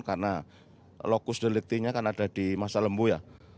jadi lokus deliktinya kan ada di masa lembu ya